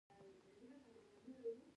او په برخه یې ترمرګه پښېماني سي.